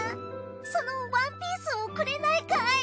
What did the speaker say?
そのワンピースをくれないかい？